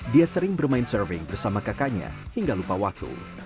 dia sering bermain surfing bersama kakaknya hingga lupa waktu